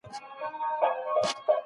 د ړندو لاس نیوی وکړئ.